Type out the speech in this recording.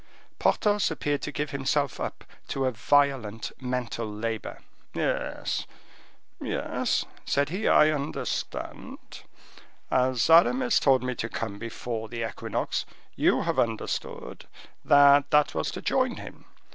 Porthos appeared to give himself up to a violent mental labor. "Yes, yes," said he, "I understand. As Aramis told me to come before the equinox, you have understood that that was to join him.